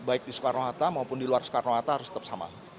baik di soekarno hatta maupun di luar soekarno hatta harus tetap sama